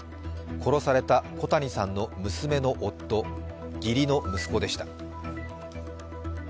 殺された小谷さんの娘の夫、義理の息子でした。